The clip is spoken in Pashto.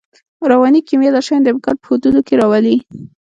رواني کیمیا دا شیان د امکان په حدودو کې راولي